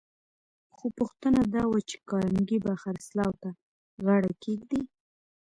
خو پوښتنه دا وه چې کارنګي به خرڅلاو ته غاړه کېږدي؟